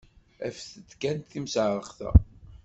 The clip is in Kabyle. Afet-d kan timseɛṛeqt-a!